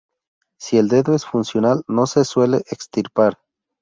Si el dedo es funcional, no se suele extirpar.